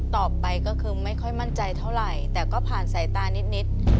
ต่อไปก็คือไม่ค่อยมั่นใจเท่าไหร่แต่ก็ผ่านสายตานิด